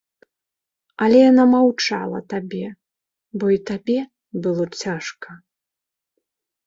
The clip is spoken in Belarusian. Але яна маўчала табе, бо і табе было цяжка.